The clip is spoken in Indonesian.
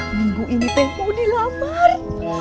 minggu ini penghuni lamar